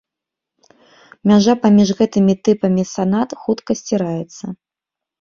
Мяжа паміж гэтымі тыпамі санат хутка сціраецца.